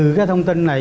từ cái thông tin này